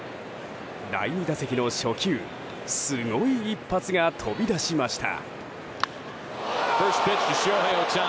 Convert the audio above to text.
第２打席の初球すごい一発が飛び出しました！